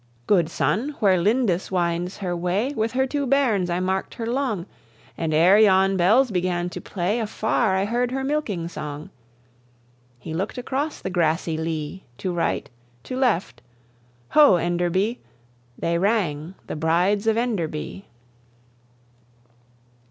"Good sonne, where Lindis winds her way With her two bairns I marked her long; And ere yon bells beganne to play Afar I heard her milking song." He looked across the grassy lea, To right, to left, "Ho, Enderby!" They rang "The Brides of Enderby!"